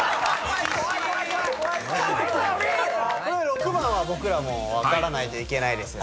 ６番は僕らも分からないといけないですよね。